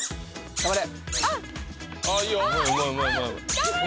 頑張れ！